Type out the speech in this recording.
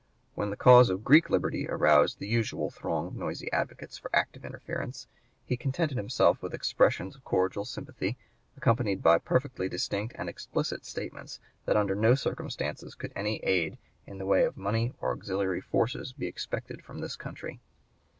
When the cause of Greek liberty aroused the usual throng of noisy advocates for active interference, he contented himself with expressions of cordial sympathy, accompanied by perfectly distinct and explicit statements that under no circumstances could any aid in the way of money or auxiliary forces be expected from this country.